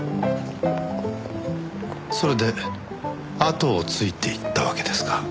それであとをついていったわけですか。